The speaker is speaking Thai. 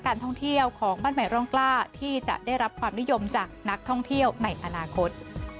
การท่องเที่ยวของบ้านใหม่ร่องกล้าที่จะได้รับความนิยมจากนักท่องเที่ยวในอนาคต